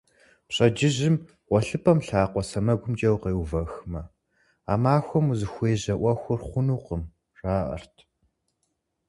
Пщэдджыжьым гъуэлъыпӀэм лъакъуэ сэмэгумкӀэ укъеувэхмэ, а махуэм узыхуежьэ Ӏуэхур хъунукъым, жаӀэрт.